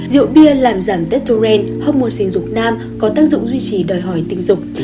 rượu bia làm giảm testoren hốc muộn sinh dục nam có tác dụng duy trì đòi hỏi tình dục